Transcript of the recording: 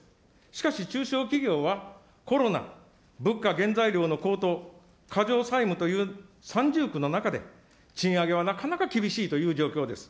しかし、中小企業はコロナ、物価原材料の高騰、過剰債務という三重苦の中で、賃上げはなかなか厳しいという状況です。